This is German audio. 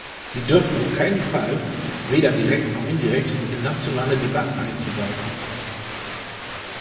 Sie dürfen auf keinen Fall, weder direkt noch indirekt, in nationale Debatten einzugreifen.